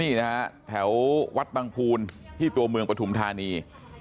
นี่นะฮะแถววัดบังภูลที่ตัวเมืองปฐุมธานี